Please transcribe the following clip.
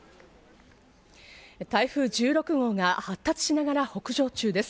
台風１６号が発達しながら北上中です。